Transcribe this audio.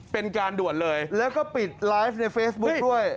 เป็นการด่วนเลยแล้วก็ปิดไลฟ์ในเฟซบุ๊คด้วย